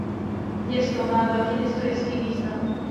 Město má velký historický význam.